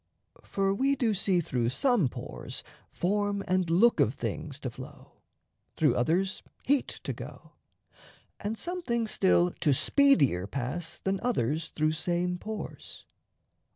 For we do see Through some pores form and look of things to flow, Through others heat to go, and some things still To speedier pass than others through same pores.